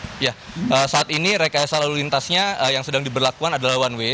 iya saat ini rekayasa lalu lintasnya yang sedang diberlakukan adalah one way